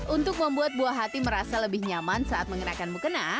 untuk membuat buah hati merasa lebih nyaman saat mengenakan mukena